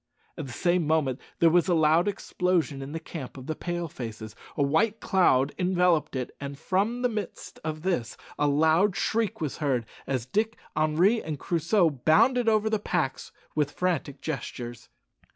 At the same moment there was a loud explosion in the camp of the Pale faces, a white cloud enveloped it, and from the midst of this a loud shriek was heard, as Dick, Henri, and Crusoe bounded over the packs with frantic gestures.